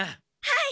はい！